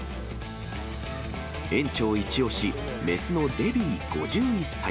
園長一押し、雌のデビィ５１歳。